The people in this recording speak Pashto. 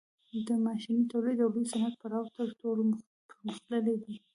د ماشیني تولید او لوی صنعت پړاو تر ټولو پرمختللی دی